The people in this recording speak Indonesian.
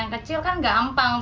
kalau yang kecil gampang